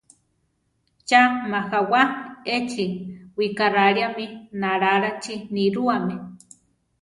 Cha majawá! Échi wikaráliami Nalaláchi nirúami.